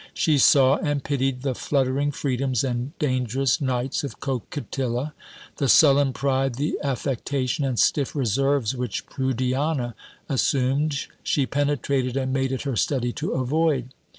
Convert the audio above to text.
She saw, and pitied, the fluttering freedoms and dangerous nights of Coquetilla. The sullen pride, the affectation, and stiff reserves, which Prudiana assumed, she penetrated, and made it her study to avoid.